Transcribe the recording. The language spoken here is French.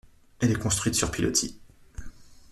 Elle est construite sur pilotis.